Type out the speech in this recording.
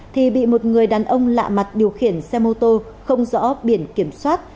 thì bị một người đàn ông lạ mặt điều khiển xe mô tô không rõ biển kiểm soát